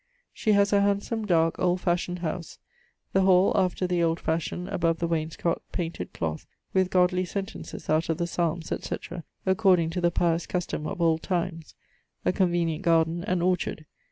She has a handsome darke old fashioned howse. The hall, after the old fashion, above the wainscot, painted cloath, with godly sentences out of the Psalmes, etc., according to the pious custome of old times; a convenient garden and orchard.